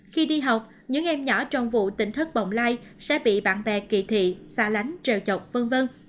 khi đi học những em nhỏ trong vụ tỉnh thất bồng lai sẽ bị bạn bè kỳ thị xa lánh trèo chọc v v